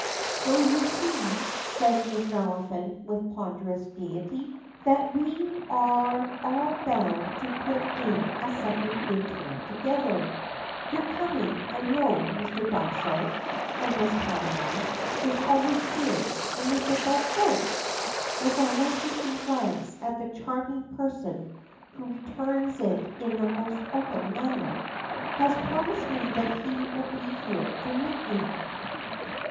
"So you see," said Miss Maliphant with ponderous gayety, "that we are all bound to put in a second good time together; you're coming, I know, Mr. Dysart, and Miss Kavanagh is always here, and Mr. Beauclerk " with a languishing glance at that charming person, who returns it in the most open manner "has promised me that he will be here to meet me."